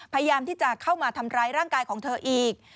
พยายามที่จะเข้ามาทำร้ายร่างกายของเธออีก